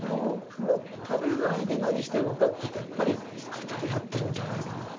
食べないで何してるのかっていうとやっぱり語り合ってるんじゃないかな。